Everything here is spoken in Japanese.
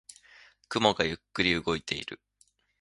雲がゆっくり動いている。